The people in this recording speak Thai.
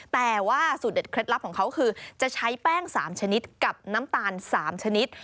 แต่ว่าสูตรเด็ดเคล็ดลับของเขาคือจะใช้แป้ง๓ชนิดกับน้ำตาล๓ชนิด